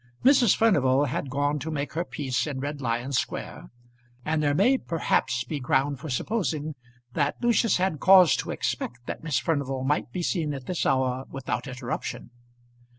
Mrs. Furnival had gone to make her peace in Red Lion Square, and there may perhaps be ground for supposing that Lucius had cause to expect that Miss Furnival might be seen at this hour without interruption.